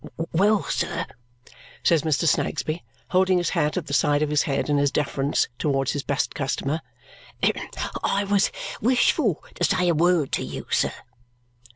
"Well, sir," says Mr. Snagsby, holding his hat at the side of his head in his deference towards his best customer, "I was wishful to say a word to you, sir."